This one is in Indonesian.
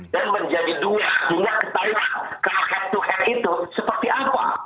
dan menjadi dua juga kita lihat kalau head to head itu seperti apa